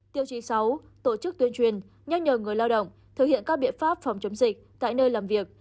tiêu chí sáu tổ chức tuyên truyền nhắc nhở người lao động thực hiện các biện pháp phòng chống dịch tại nơi làm việc